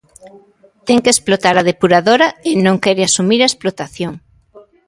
Ten que explotar a depuradora e non quere asumir a explotación.